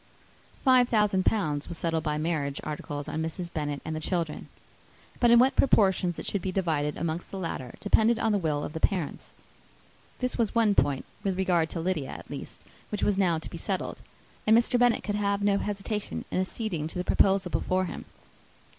Five thousand pounds was settled by marriage articles on Mrs. Bennet and the children. But in what proportions it should be divided amongst the latter depended on the will of the parents. This was one point, with regard to Lydia at least, which was now to be settled, and Mr. Bennet could have no hesitation in acceding to the proposal before him.